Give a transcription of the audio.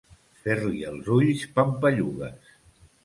Fer-li els ulls pampallugues.